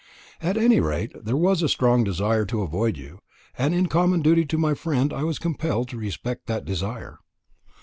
At any rate, there was a strong desire to avoid you; and in common duty to my friend I was compelled to respect that desire."